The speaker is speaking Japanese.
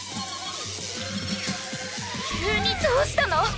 急にどうしたの！？